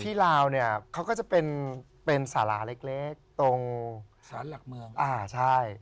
ลาวเนี่ยเขาก็จะเป็นเป็นสาราเล็กตรงสารหลักเมืองอ่าใช่